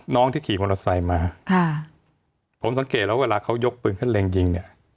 ที่ขี่มอเตอร์ไซค์มาค่ะผมสังเกตแล้วเวลาเขายกปืนขึ้นเล็งยิงเนี่ย